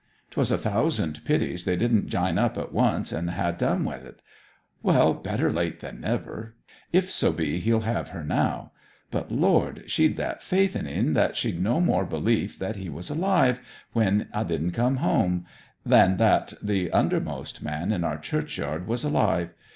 ''Twas a thousand pities they didn't jine up at once and ha' done wi' it. 'Well; better late than never, if so be he'll have her now. But, Lord, she'd that faith in 'en that she'd no more belief that he was alive, when a' didn't come, than that the undermost man in our churchyard was alive.